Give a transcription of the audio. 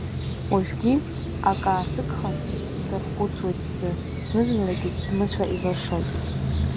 Уажәгьы ак аасыгхар, дархәцуеит, сзы, зны-зынлагь, дмыцәа илыршоит.